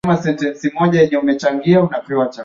Lakini tofauti ziko kubwa kati ya miji mikubwa ambako